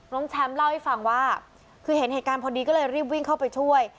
แชมป์เล่าให้ฟังว่าคือเห็นเหตุการณ์พอดีก็เลยรีบวิ่งเข้าไปช่วย